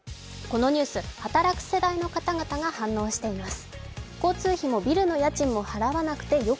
このニュース、働く世代の方々が反応しています。